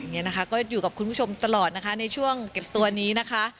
อย่างนี้นะคะก็อยู่กับคุณผู้ชมตลอดนะคะในช่วงเก็บตัวนี้นะคะ